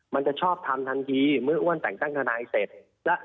มันจะชอบทำทันทีเมื่ออ้วนแต่งตั้งทนายเสร็จ